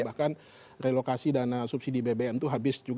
bahkan relokasi dana subsidi bbm itu hanya untuk infrastruktur